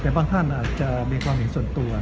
แต่บางท่านอาจจะมีความเห็นส่วนตัว